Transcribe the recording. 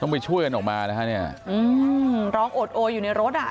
ต้องไปช่วยงั้นออกมานะคะนี่อืมร้องอดโออยู่ในรถนะคะ